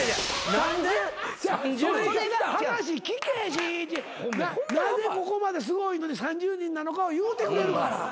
なぜここまですごいのに３０人なのかを言うてくれるから。